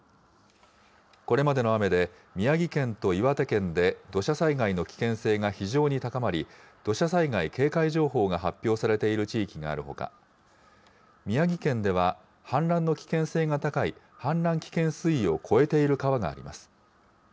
これまでの雨で、宮城県と岩手県で土砂災害の危険性が非常に高まり、土砂災害警戒情報が発表されている地域があるほか、宮城県では、氾濫の危険性が高い氾濫危険水位を超えている川があります。